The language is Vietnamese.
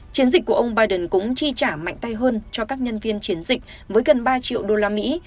chiến dịch của ông biden cũng chi trả mạnh tay hơn cho các nhân viên chiến dịch với gần ba triệu đô la mỹ